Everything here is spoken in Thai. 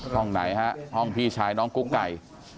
ห้องไหนฮะห้องพี่ชายน้องกุ๊กไก่